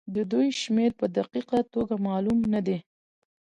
د دوی شمېر په دقيقه توګه معلوم نه دی.